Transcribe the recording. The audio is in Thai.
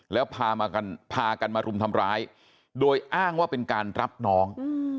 แล้วพากันมารุมทำร้ายโดยอ้างว่าเป็นการรับน้อง